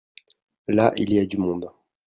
là, il y a du monde.